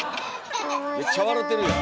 めっちゃ笑てるやん。